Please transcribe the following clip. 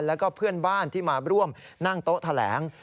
แล้วก็เพื่อนบ้านที่มาร่วมนั่งโต๊ะแถลง